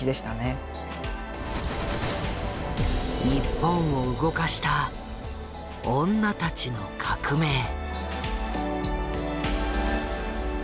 日本を動かした女たちの革命！